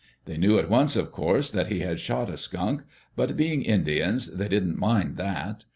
They knew at once, of course, that he had shot a skunk, but being Indians they didn't mind that.